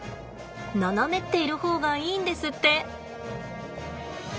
斜めっている方がいいんですって。